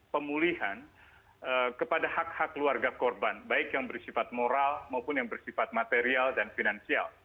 pemulihan kepada hak hak keluarga korban baik yang bersifat moral maupun yang bersifat material dan finansial